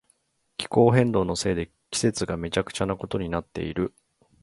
気候変動のせいで季節がめちゃくちゃなことになっている。